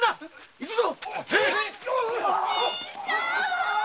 行くぞ！